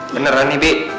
beneran nih bi